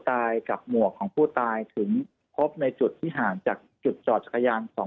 กับหมวกของผู้ตายถึงพบในจุดที่ห่างจากจุดจอดจักรยานของ